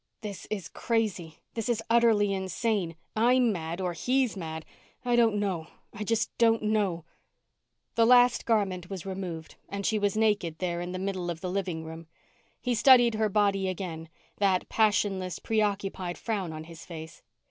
This is crazy. This is utterly insane. I'm mad or he's mad. I don't know. I just don't know ... The last garment was removed and she was naked there in the middle of the living room. He studied her body again, that passionless, preoccupied frown on his face.